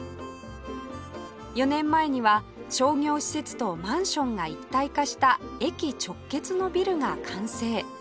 ４年前には商業施設とマンションが一体化した駅直結のビルが完成